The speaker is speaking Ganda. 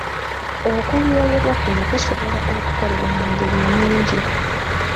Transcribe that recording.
Okulyoyebwa kuno kusobola okukolebwa mu ngeri nnyingi.